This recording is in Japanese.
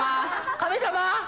神様！